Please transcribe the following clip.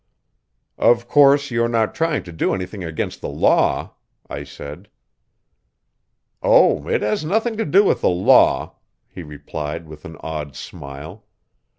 "Of course you're not trying to do anything against the law?" I said. "Oh, it has nothing to do with the law," he replied with an odd smile.